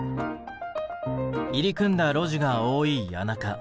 入り組んだ路地が多い谷中。